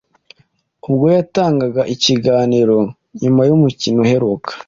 ubwo yatangaga ikiganiro nyuma y’umukino uheruka.